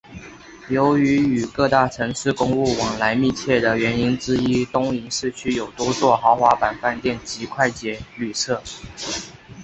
由于与各大城市公务往来密切的原因之一东营市区有多座豪华饭店及快捷旅舍。